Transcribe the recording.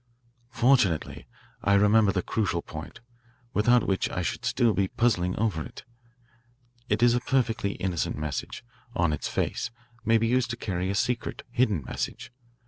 "Fortunately I remember the crucial point, without which I should still be puzzling over it. It is that a perfectly innocent message, on its face, may be used to carry a secret, hidden message.